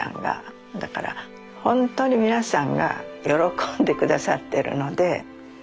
だからほんとに皆さんが喜んで下さってるので。